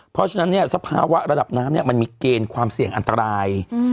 เพราะฉะนั้นเนี่ยสภาวะระดับน้ำมันมีเกณฑ์ความเสี่ยงอันตราย